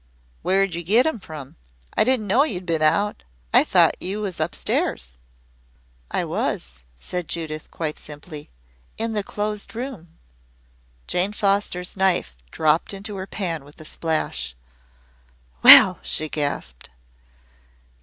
"Where'd you get 'em from? I didn't know you'd been out. I thought you was up stairs." "I was," said Judith quite simply. "In the Closed Room." Jane Foster's knife dropped into her pan with a splash. "Well," she gasped.